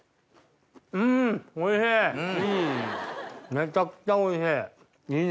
めちゃくちゃおいしい！